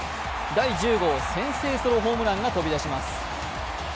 第１０号先制ソロホームランが飛び出します。